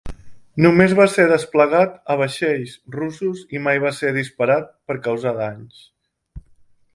Només va ser desplegat a vaixells russos, i mai va ser disparat per causar danys.